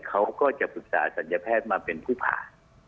เขาก็จะปรึกษาศัลยแพทย์มาเป็นผู้ผ่า